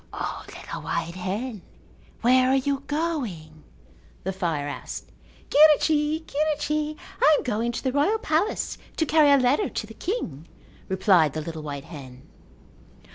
"O, little white hen, where are you going?" the fire asked. "Quirrichi, quirrichi, I am going to the royal palace to carry a letter to the king," replied the little white hen.